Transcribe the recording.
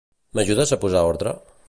M'ajudes a posar ordre?